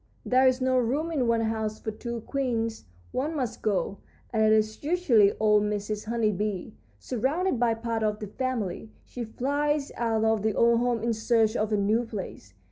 "There is not room in one house for two queens; one must go, and it is usually old Mrs. Honey Bee. Surrounded by part of the family, she flies out of the old home in search of a new place.